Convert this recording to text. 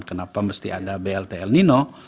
kenapa mesti ada bltl nino